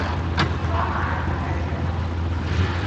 Bama alfahari da hakan.